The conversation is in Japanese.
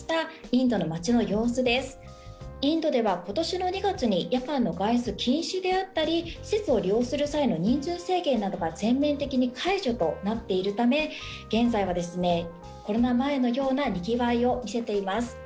インドでは今年の２月に夜間の外出禁止であったり施設を利用する際の人数制限などが全面的に解除となっているため現在はコロナ前のようなにぎわいを見せています。